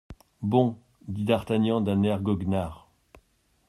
Bon ! dit d'Artagnan d'un air goguenard.